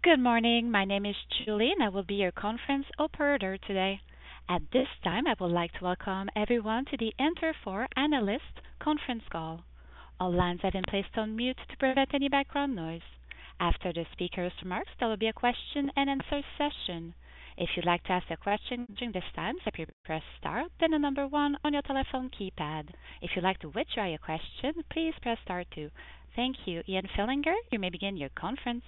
Good morning, my name is Julie and I will be your conference operator today. At this time I would like to welcome everyone to the Interfor Analyst Conference call. All lines have been placed on mute to prevent any background noise. After the speaker's remarks there will be a question and answer session. If you'd like to ask a question during this time simply press star then the number one on your telephone keypad. If you'd like to withdraw your question please press star two. Thank you, Ian Fillinger, you may begin your conference.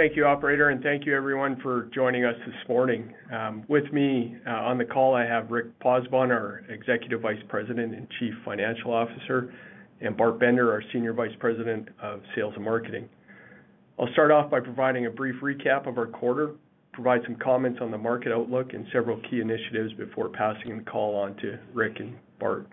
Thank you operator and thank you everyone for joining us this morning. With me on the call I have Rick Pozzebon, our Executive Vice President and Chief Financial Officer, and Bart Bender, our Senior Vice President of Sales and Marketing. I'll start off by providing a brief recap of our quarter, provide some comments on the market outlook, and several key initiatives before passing the call on to Rick and Bart.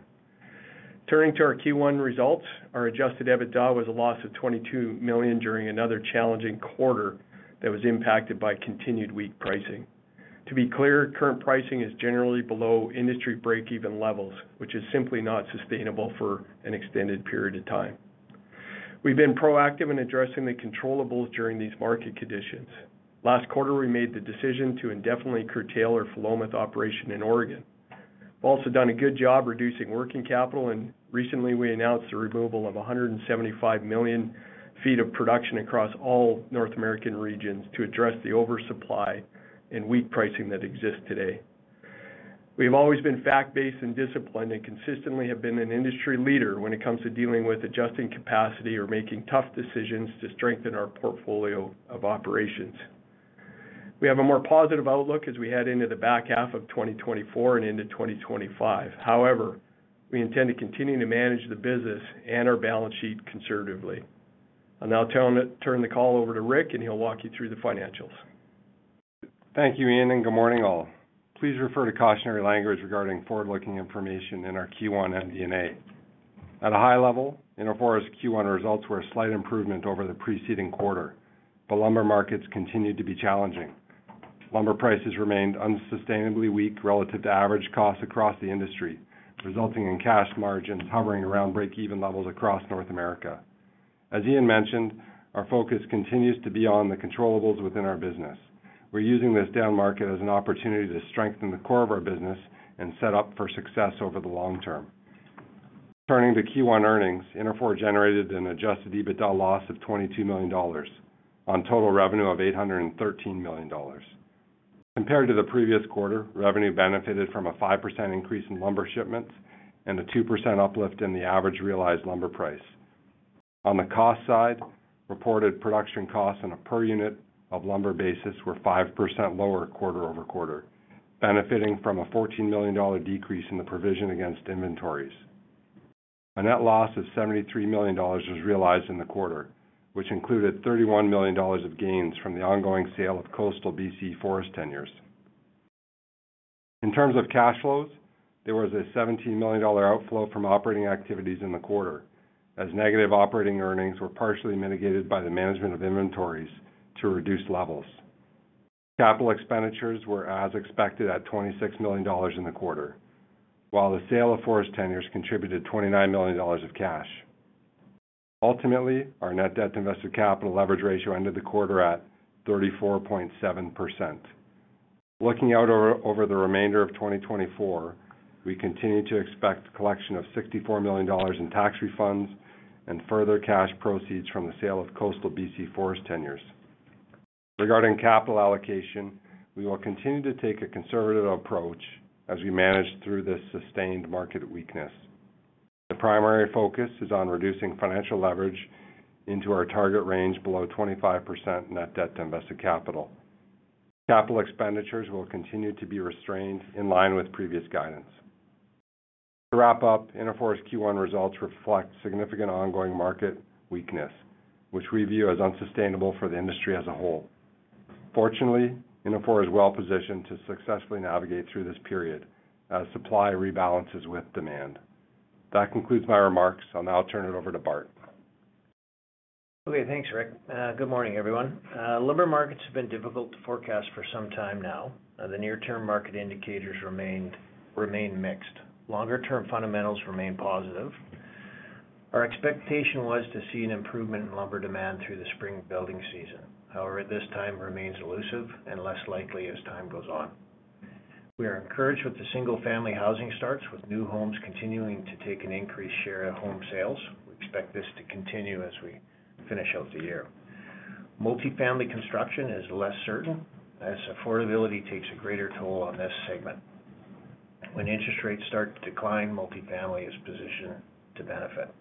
Turning to our Q1 results, our Adjusted EBITDA was a loss of 22 million during another challenging quarter that was impacted by continued weak pricing. To be clear, current pricing is generally below industry break-even levels, which is simply not sustainable for an extended period of time. We've been proactive in addressing the controllables during these market conditions. Last quarter we made the decision to indefinitely curtail our Philomath operation in Oregon. We've also done a good job reducing working capital and recently we announced the removal of 175 million feet of production across all North American regions to address the oversupply and weak pricing that exists today. We have always been fact-based and disciplined and consistently have been an industry leader when it comes to dealing with adjusting capacity or making tough decisions to strengthen our portfolio of operations. We have a more positive outlook as we head into the back half of 2024 and into 2025. However, we intend to continue to manage the business and our balance sheet conservatively. I'll now turn the call over to Rick and he'll walk you through the financials. Thank you, Ian, and good morning all. Please refer to cautionary language regarding forward-looking information in our Q1 MD&A. At a high level, Interfor's Q1 results were a slight improvement over the preceding quarter, but lumber markets continued to be challenging. Lumber prices remained unsustainably weak relative to average costs across the industry, resulting in cash margins hovering around break-even levels across North America. As Ian mentioned, our focus continues to be on the controllables within our business. We're using this down market as an opportunity to strengthen the core of our business and set up for success over the long term. Turning to Q1 earnings, Interfor generated an Adjusted EBITDA loss of 22 million dollars on total revenue of 813 million dollars. Compared to the previous quarter, revenue benefited from a 5% increase in lumber shipments and a 2% uplift in the average realized lumber price. On the cost side, reported production costs on a per unit of lumber basis were 5% lower quarter-over-quarter, benefiting from a 14 million dollar decrease in the provision against inventories. A net loss of 73 million dollars was realized in the quarter, which included 31 million dollars of gains from the ongoing sale of Coastal BC forest tenures. In terms of cash flows, there was a 17 million dollar outflow from operating activities in the quarter, as negative operating earnings were partially mitigated by the management of inventories to reduce levels. Capital expenditures were as expected at 26 million dollars in the quarter, while the sale of forest tenures contributed 29 million dollars of cash. Ultimately, our net debt to invested capital leverage ratio ended the quarter at 34.7%. Looking out over the remainder of 2024, we continue to expect a collection of 64 million dollars in tax refunds and further cash proceeds from the sale of Coastal BC forest tenures. Regarding capital allocation, we will continue to take a conservative approach as we manage through this sustained market weakness. The primary focus is on reducing financial leverage into our target range below 25% net debt to invested capital. Capital expenditures will continue to be restrained in line with previous guidance. To wrap up, Interfor's Q1 results reflect significant ongoing market weakness, which we view as unsustainable for the industry as a whole. Fortunately, Interfor is well positioned to successfully navigate through this period as supply rebalances with demand. That concludes my remarks. I'll now turn it over to Bart. Okay, thanks Rick. Good morning everyone. Lumber markets have been difficult to forecast for some time now. The near-term market indicators remain mixed. Longer-term fundamentals remain positive. Our expectation was to see an improvement in lumber demand through the spring building season. However, this time remains elusive and less likely as time goes on. We are encouraged with the single-family housing starts, with new homes continuing to take an increased share of home sales. We expect this to continue as we finish out the year. Multi-family construction is less certain as affordability takes a greater toll on this segment. When interest rates start to decline, multifamily is positioned to benefit.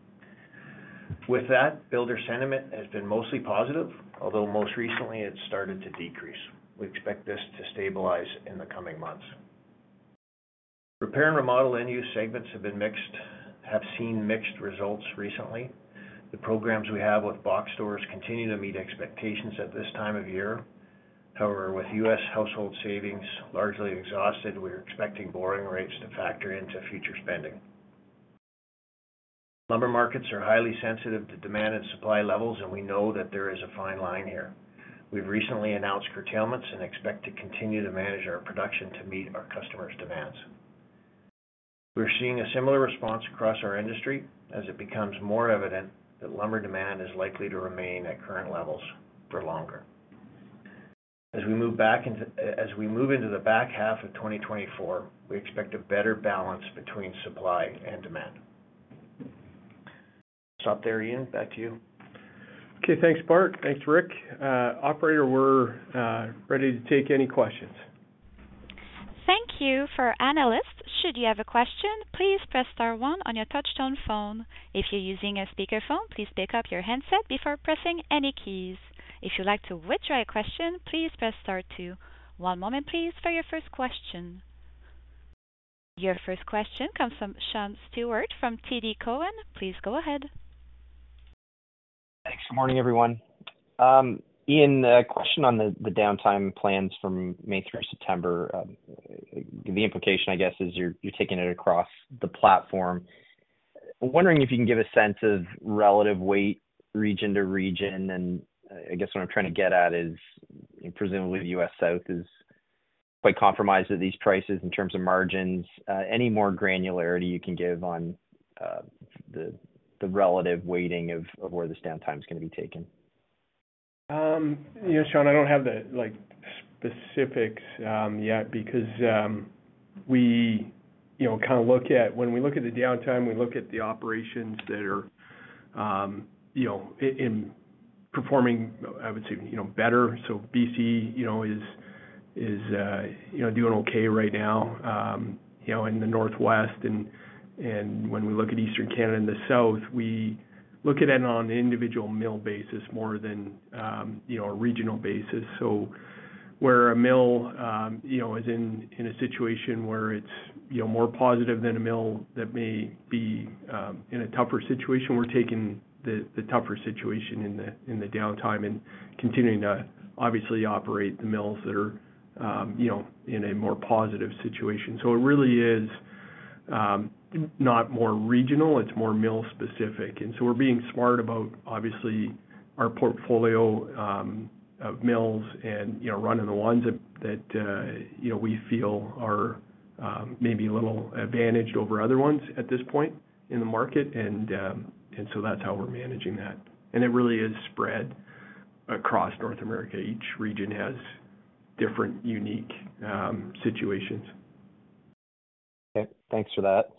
With that, builder sentiment has been mostly positive, although most recently it started to decrease. We expect this to stabilize in the coming months. Repair and Remodel end-use segments have been mixed, have seen mixed results recently. The programs we have with box stores continue to meet expectations at this time of year. However, with U.S. household savings largely exhausted, we're expecting borrowing rates to factor into future spending. Lumber markets are highly sensitive to demand and supply levels, and we know that there is a fine line here. We've recently announced curtailments and expect to continue to manage our production to meet our customers' demands. We're seeing a similar response across our industry as it becomes more evident that lumber demand is likely to remain at current levels for longer. As we move into the back half of 2024, we expect a better balance between supply and demand. I'll stop there, Ian. Back to you. Okay, thanks Bart. Thanks Rick. Operator, we're ready to take any questions. Thank you. Should you have a question, please press star one on your touch-tone phone. If you're using a speakerphone, please pick up your headset before pressing any keys. If you'd like to withdraw your question, please press star two. One moment please for your first question. Your first question comes from Sean Steuart from TD Cowen. Please go ahead. Thanks. Good morning everyone. Ian, a question on the downtime plans from May through September. The implication, I guess, is you're taking it across the platform. I'm wondering if you can give a sense of relative weight region to region, and I guess what I'm trying to get at is presumably the US South is quite compromised at these prices in terms of margins. Any more granularity you can give on the relative weighting of where this downtime is going to be taken? Sean, I don't have the specifics yet because we kind of look at when we look at the downtime, we look at the operations that are performing, I would say, better. So BC is doing okay right now in the Northwest. And when we look at Eastern Canada and the South, we look at it on an individual mill basis more than a regional basis. So where a mill is in a situation where it's more positive than a mill that may be in a tougher situation, we're taking the tougher situation in the downtime and continuing to obviously operate the mills that are in a more positive situation. So it really is not more regional, it's more mill-specific. So we're being smart about, obviously, our portfolio of mills and running the ones that we feel are maybe a little advantaged over other ones at this point in the market. So that's how we're managing that. It really is spread across North America. Each region has different unique situations. Okay, thanks for that.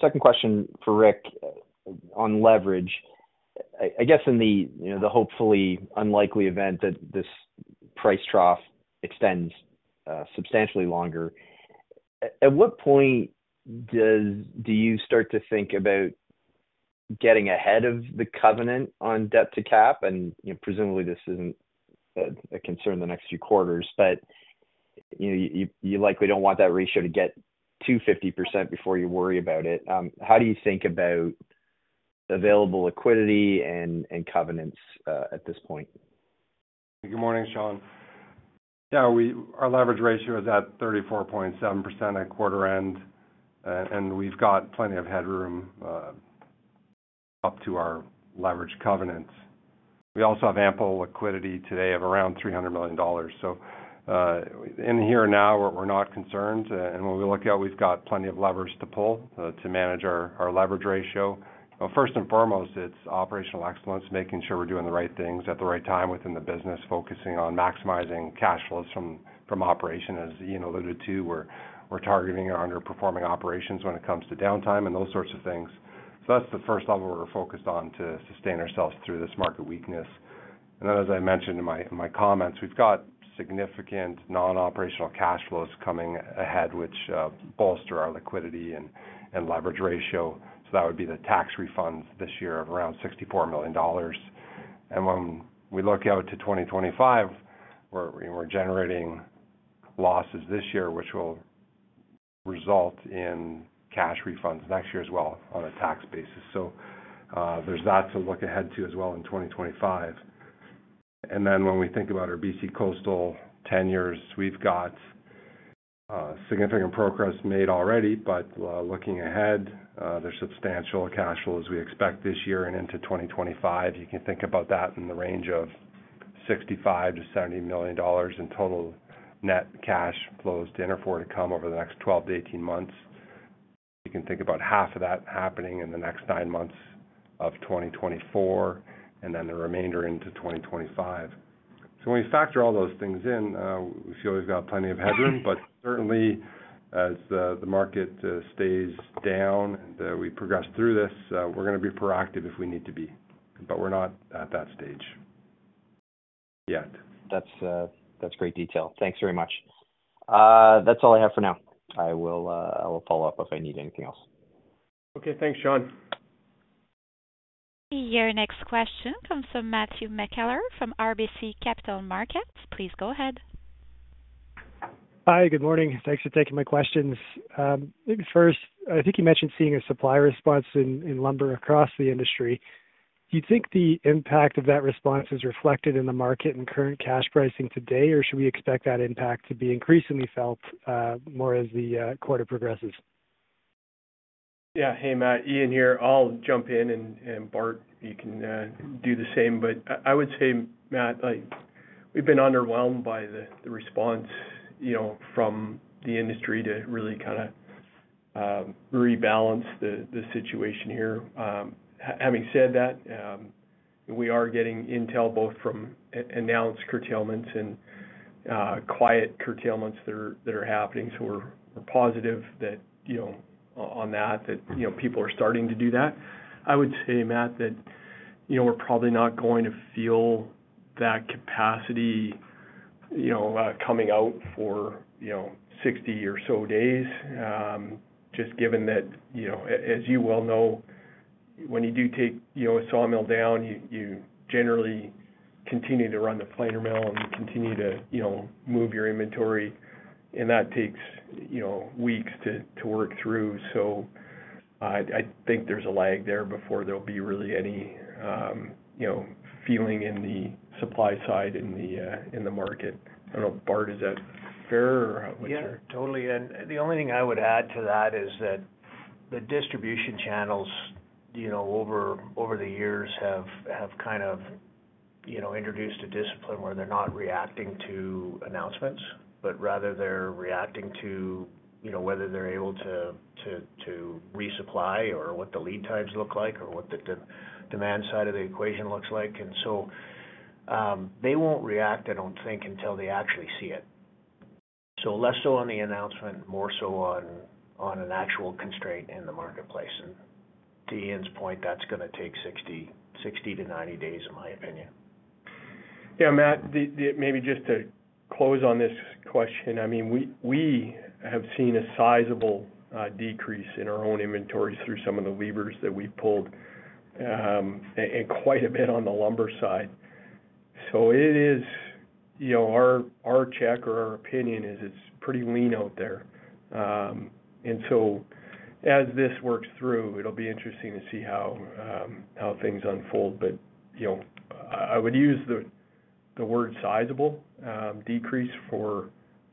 Second question for Rick on leverage. I guess in the hopefully unlikely event that this price trough extends substantially longer, at what point do you start to think about getting ahead of the covenant on debt to cap? And presumably this isn't a concern the next few quarters, but you likely don't want that ratio to get to 50% before you worry about it. How do you think about available liquidity and covenants at this point? Good morning, Sean. Yeah, our leverage ratio is at 34.7% at quarter end, and we've got plenty of headroom up to our leverage covenants. We also have ample liquidity today of around 300 million dollars. In here and now, we're not concerned. When we look out, we've got plenty of levers to pull to manage our leverage ratio. First and foremost, it's operational excellence, making sure we're doing the right things at the right time within the business, focusing on maximizing cash flows from operation. As Ian alluded to, we're targeting our underperforming operations when it comes to downtime and those sorts of things. That's the first level we're focused on to sustain ourselves through this market weakness. Then, as I mentioned in my comments, we've got significant non-operational cash flows coming ahead which bolster our liquidity and leverage ratio. So that would be the tax refunds this year of around 64 million dollars. And when we look out to 2025, we're generating losses this year which will result in cash refunds next year as well on a tax basis. So there's that to look ahead to as well in 2025. And then when we think about our BC coastal tenures, we've got significant progress made already, but looking ahead, there's substantial cash flows we expect this year and into 2025. You can think about that in the range of 65- 70 million dollars in total net cash flows to Interfor to come over the next 12-18 months. You can think about half of that happening in the next nine months of 2024 and then the remainder into 2025. So when we factor all those things in, we feel we've got plenty of headroom. But certainly, as the market stays down and we progress through this, we're going to be proactive if we need to be. But we're not at that stage yet. That's great detail. Thanks very much. That's all I have for now. I will follow up if I need anything else. Okay, thanks, Sean. Your next question comes from Matthew McKellar from RBC Capital Markets. Please go ahead. Hi, good morning. Thanks for taking my questions. First, I think you mentioned seeing a supply response in lumber across the industry. Do you think the impact of that response is reflected in the market and current cash pricing today, or should we expect that impact to be increasingly felt more as the quarter progresses? Yeah, hey Matt, Ian here. I'll jump in, and Bart, you can do the same. But I would say, Matt, we've been underwhelmed by the response from the industry to really kind of rebalance the situation here. Having said that, we are getting intel both from announced curtailments and quiet curtailments that are happening. So we're positive on that, that people are starting to do that. I would say, Matt, that we're probably not going to feel that capacity coming out for 60 or so days, just given that, as you well know, when you do take a sawmill down, you generally continue to run the planer mill and continue to move your inventory, and that takes weeks to work through. So I think there's a lag there before there'll be really any feeling in the supply side in the market. I don't know, Bart, is that fair or what's your? Yeah, totally. And the only thing I would add to that is that the distribution channels over the years have kind of introduced a discipline where they're not reacting to announcements, but rather they're reacting to whether they're able to resupply or what the lead times look like or what the demand side of the equation looks like. And so they won't react, I don't think, until they actually see it. So less so on the announcement, more so on an actual constraint in the marketplace. And to Ian's point, that's going to take 60-90 days, in my opinion. Yeah, Matt, maybe just to close on this question. I mean, we have seen a sizable decrease in our own inventories through some of the levers that we pulled and quite a bit on the lumber side. So it is our check or our opinion is it's pretty lean out there. And so as this works through, it'll be interesting to see how things unfold. But I would use the word sizable decrease for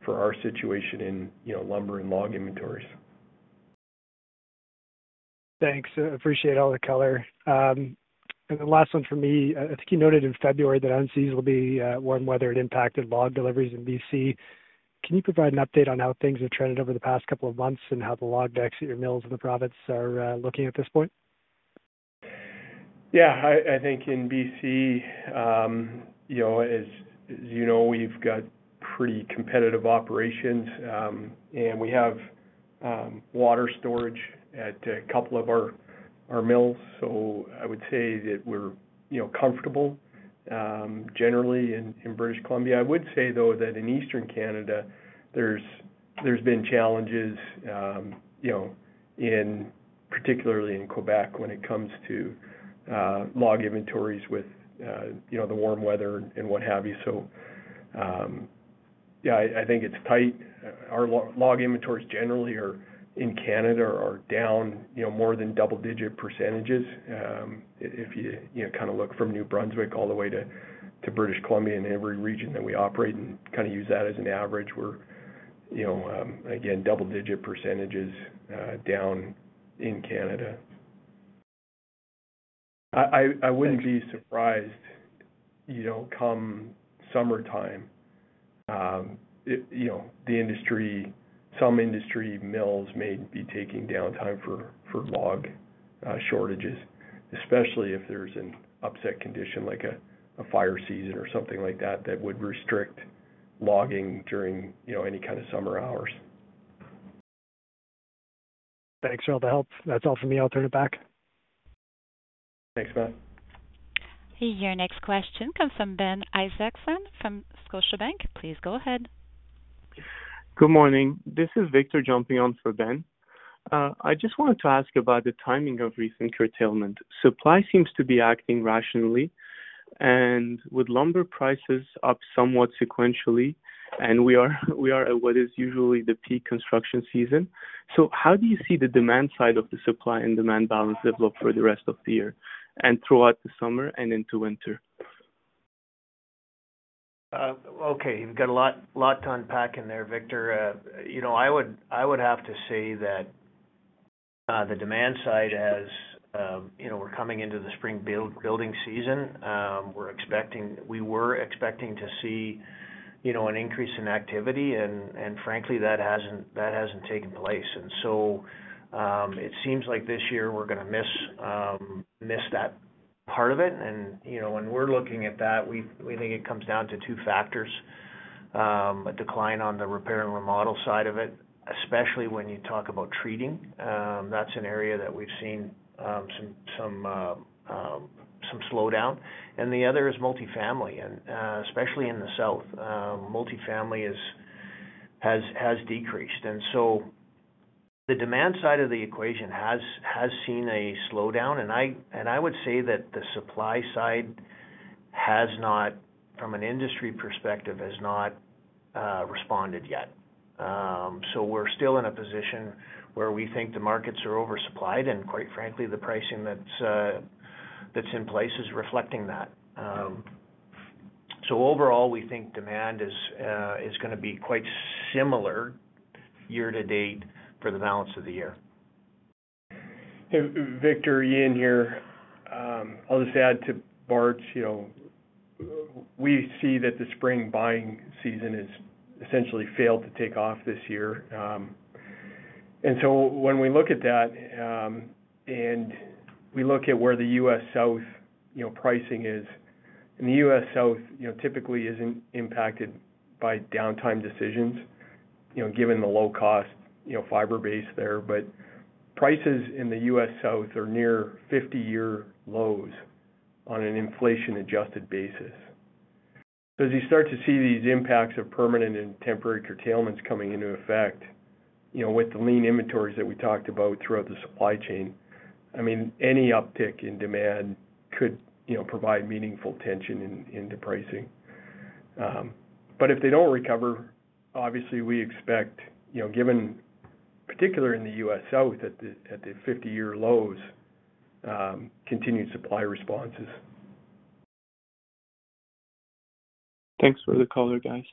our situation in lumber and log inventories. Thanks. I appreciate all the color. The last one for me, I think you noted in February that unusually warm weather had impacted log deliveries in BC. Can you provide an update on how things have trended over the past couple of months and how the log decks at your mills in the province are looking at this point? Yeah, I think in BC, as you know, we've got pretty competitive operations, and we have water storage at a couple of our mills. So I would say that we're comfortable generally in British Columbia. I would say, though, that in Eastern Canada, there's been challenges, particularly in Quebec, when it comes to log inventories with the warm weather and what have you. So yeah, I think it's tight. Our log inventories generally in Canada are down more than double-digit %. If you kind of look from New Brunswick all the way to British Columbia and every region that we operate and kind of use that as an average, we're, again, double-digit % down in Canada. I wouldn't be surprised, come summertime, the industry, some industry mills, may be taking downtime for log shortages, especially if there's an upset condition like a fire season or something like that that would restrict logging during any kind of summer hours. Thanks, Sean. That's all from me. I'll turn it back. Thanks, Matt. Hey, your next question comes from Ben Isaacson from Scotiabank. Please go ahead. Good morning. This is Victor jumping on for Ben. I just wanted to ask about the timing of recent curtailment. Supply seems to be acting rationally and with lumber prices up somewhat sequentially, and we are at what is usually the peak construction season. So how do you see the demand side of the supply and demand balance develop for the rest of the year and throughout the summer and into winter? Okay, you've got a lot to unpack in there, Victor. I would have to say that the demand side as we're coming into the spring building season, we were expecting to see an increase in activity, and frankly, that hasn't taken place. When we're looking at that, we think it comes down to two factors: a decline on the Repair and Remodel side of it, especially when you talk about treating. That's an area that we've seen some slowdown. The other is multifamily, and especially in the south, multifamily has decreased. So the demand side of the equation has seen a slowdown, and I would say that the supply side has not, from an industry perspective, responded yet. We're still in a position where we think the markets are oversupplied, and quite frankly, the pricing that's in place is reflecting that. Overall, we think demand is going to be quite similar year to date for the balance of the year. Hey, Victor, Ian here. I'll just add to Bart's. We see that the spring buying season has essentially failed to take off this year. And so when we look at that and we look at where the US South pricing is, and the US South typically isn't impacted by downtime decisions given the low-cost fiber base there, but prices in the US South are near 50-year lows on an inflation-adjusted basis. So as you start to see these impacts of permanent and temporary curtailments coming into effect with the lean inventories that we talked about throughout the supply chain, I mean, any uptick in demand could provide meaningful tension into pricing. But if they don't recover, obviously, we expect, particularly in the US South at the 50-year lows, continued supply responses. Thanks for the call, you guys.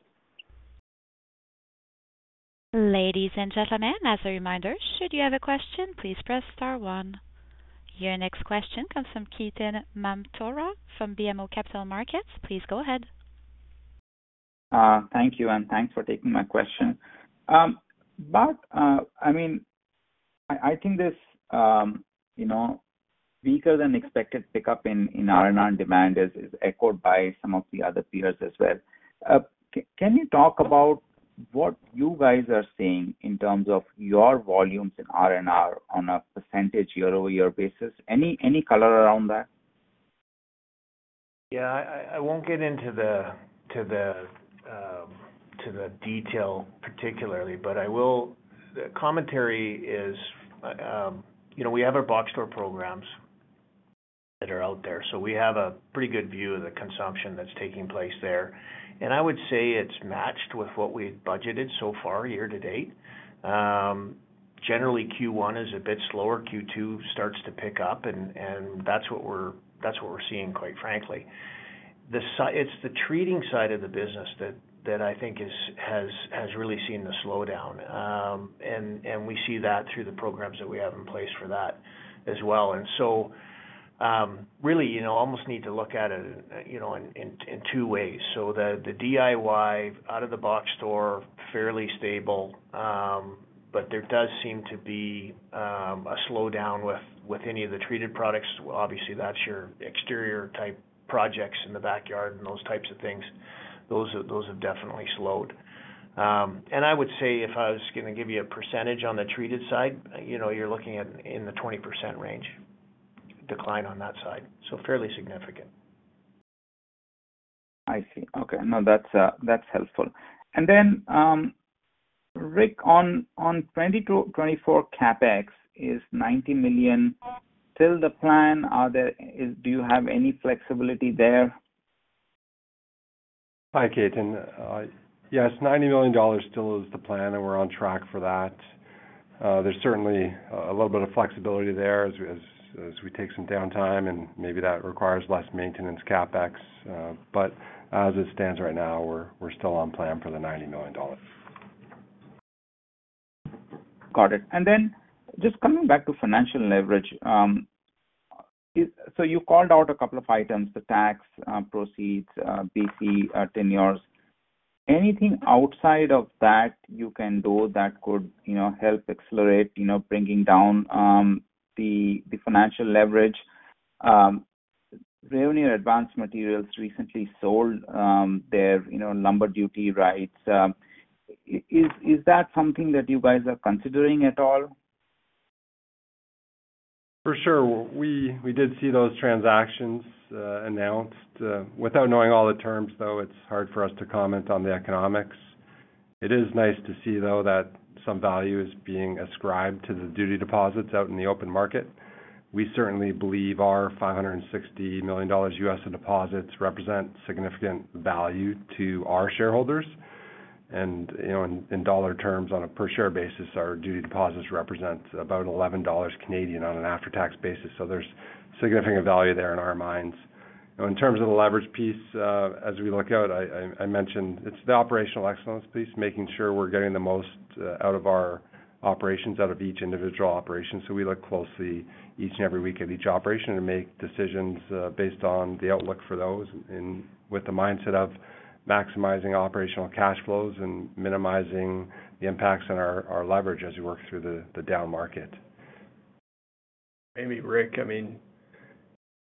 Ladies and gentlemen, as a reminder, should you have a question, please press star one. Your next question comes from Ketan Mamtora from BMO Capital Markets. Please go ahead. Thank you, and thanks for taking my question. Bart, I mean, I think this weaker than expected pickup in R&R and demand is echoed by some of the other peers as well. Can you talk about what you guys are seeing in terms of your volumes in R&R on a percentage year-over-year basis? Any color around that? Yeah, I won't get into the detail particularly, but the commentary is we have our box store programs that are out there. So we have a pretty good view of the consumption that's taking place there. And I would say it's matched with what we've budgeted so far year to date. Generally, Q1 is a bit slower. Q2 starts to pick up, and that's what we're seeing, quite frankly. It's the treating side of the business that I think has really seen the slowdown. And we see that through the programs that we have in place for that as well. And so really, you almost need to look at it in two ways. So the DIY out-of-the-box store, fairly stable, but there does seem to be a slowdown with any of the treated products. Obviously, that's your exterior-type projects in the backyard and those types of things. Those have definitely slowed. I would say if I was going to give you a percentage on the treated side, you're looking at in the 20% range decline on that side. Fairly significant. I see. Okay, no, that's helpful. And then, Rick, on 2024 CapEx, is 90 million still the plan? Do you have any flexibility there? Hi, Ketan. Yes, 90 million dollars still is the plan, and we're on track for that. There's certainly a little bit of flexibility there as we take some downtime, and maybe that requires less maintenance CapEx. But as it stands right now, we're still on plan for the 90 million dollars. Got it. And then just coming back to financial leverage, so you called out a couple of items, the tax proceeds, BC tenures. Anything outside of that you can do that could help accelerate bringing down the financial leverage? Rayonier Advanced Materials recently sold their lumber duty rights. Is that something that you guys are considering at all? For sure. We did see those transactions announced. Without knowing all the terms, though, it's hard for us to comment on the economics. It is nice to see, though, that some value is being ascribed to the duty deposits out in the open market. We certainly believe our 560 million dollars in deposits represent significant value to our shareholders. In dollar terms, on a per-share basis, our duty deposits represent about 11 Canadian dollars on an after-tax basis. So there's significant value there in our minds. In terms of the leverage piece, as we look out, I mentioned it's the operational excellence piece, making sure we're getting the most out of our operations, out of each individual operation. We look closely each and every week at each operation and make decisions based on the outlook for those with the mindset of maximizing operational cash flows and minimizing the impacts on our leverage as we work through the down market. Hey, Rick, I mean,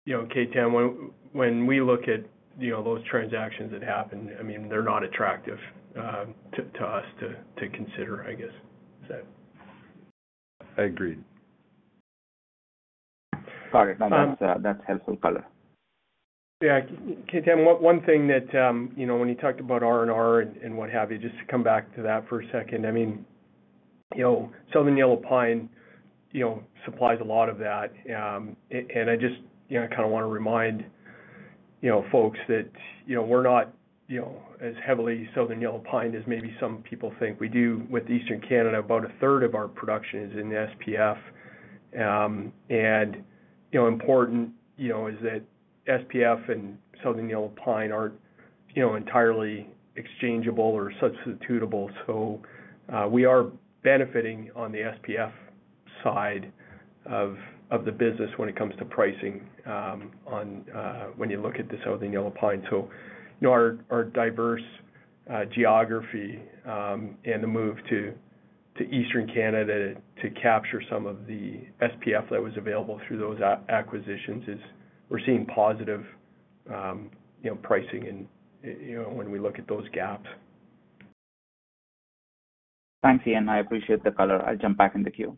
Ketan, when we look at those transactions that happen, I mean, they're not attractive to us to consider, I guess. Is that? I agree. Got it. No, that's helpful color. Yeah, Ketan, one thing that when you talked about R&R and what have you, just to come back to that for a second, I mean, Southern Yellow Pine supplies a lot of that. And I just kind of want to remind folks that we're not as heavily Southern Yellow Pine as maybe some people think we do. With Eastern Canada, about a third of our production is in the SPF. And important is that SPF and Southern Yellow Pine aren't entirely exchangeable or substitutable. So we are benefiting on the SPF side of the business when it comes to pricing when you look at the Southern Yellow Pine. So our diverse geography and the move to Eastern Canada to capture some of the SPF that was available through those acquisitions is we're seeing positive pricing when we look at those gaps. Thanks, Ian. I appreciate the color. I'll jump back in the queue.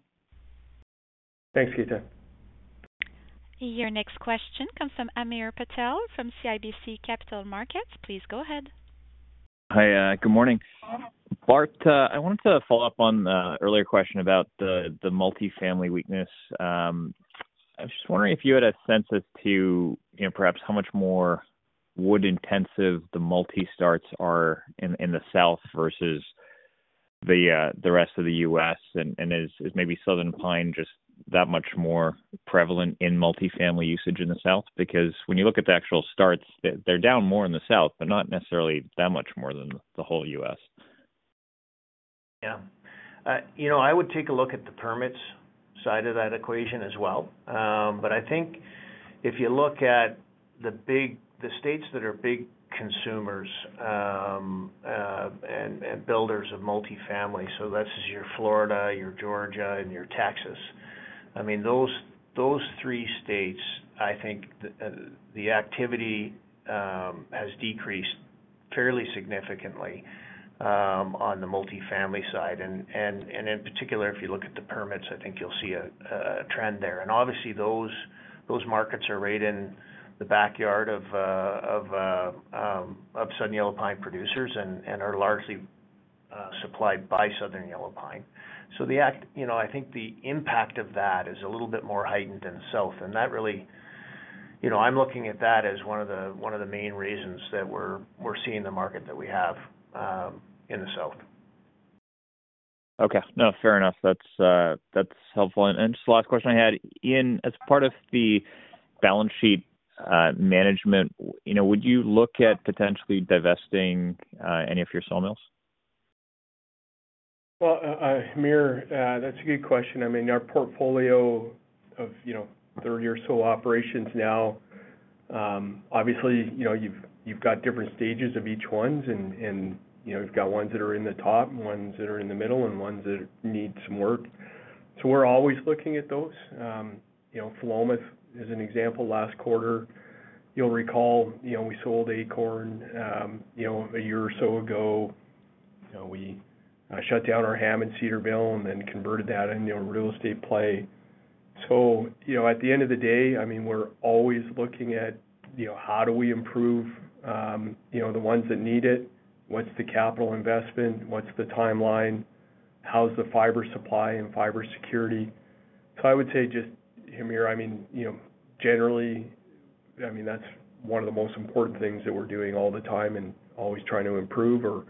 Thanks, Ketan. Your next question comes from Hamir Patel from CIBC Capital Markets. Please go ahead. Hi. Good morning. Bart, I wanted to follow up on earlier question about the multifamily weakness. I was just wondering if you had a sense as to perhaps how much more wood-intensive the multifamily starts are in the South versus the rest of the U.S. And is maybe Southern Pine just that much more prevalent in multifamily usage in the South? Because when you look at the actual starts, they're down more in the South, but not necessarily that much more than the whole U.S. Yeah. I would take a look at the permits side of that equation as well. But I think if you look at the states that are big consumers and builders of multifamily - so this is your Florida, your Georgia, and your Texas - I mean, those three states, I think the activity has decreased fairly significantly on the multifamily side. And in particular, if you look at the permits, I think you'll see a trend there. And obviously, those markets are right in the backyard of Southern Yellow Pine producers and are largely supplied by Southern Yellow Pine. So I think the impact of that is a little bit more heightened in the south. And that really I'm looking at that as one of the main reasons that we're seeing the market that we have in the south. Okay. No, fair enough. That's helpful. And just the last question I had, Ian, as part of the balance sheet management, would you look at potentially divesting any of your sawmills? Well, Hamir, that's a good question. I mean, our portfolio of 30-year-old saw operations now, obviously, you've got different stages of each ones. And you've got ones that are in the top and ones that are in the middle and ones that need some work. So we're always looking at those. Philomath is an example. Last quarter, you'll recall we sold Acorn a year or so ago. We shut down our Hammond Cedar mill and then converted that into real estate play. So at the end of the day, I mean, we're always looking at how do we improve the ones that need it? What's the capital investment? What's the timeline? How's the fiber supply and fiber security? So I would say just, Hamir, I mean, generally, I mean, that's one of the most important things that we're doing all the time and always trying to improve or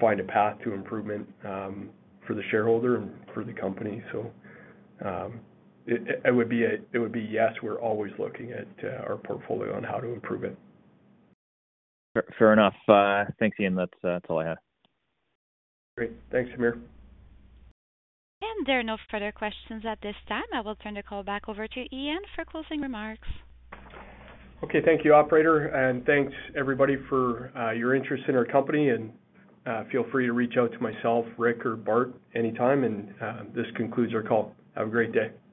find a path to improvement for the shareholder and for the company. So it would be a yes. We're always looking at our portfolio on how to improve it. Fair enough. Thanks, Ian. That's all I had. Great. Thanks, Hamir. There are no further questions at this time. I will turn the call back over to Ian for closing remarks. Okay. Thank you, operator. Thanks, everybody, for your interest in our company. Feel free to reach out to myself, Rick, or Bart anytime. This concludes our call. Have a great day.